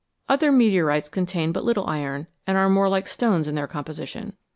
Other meteorites contain but little iron, and are more like stones in their composition.